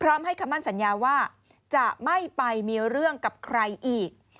ให้คำมั่นสัญญาว่าจะไม่ไปมีเรื่องกับใครอีก